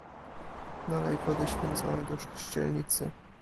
Nalej wody święconej do chrzcielnicy.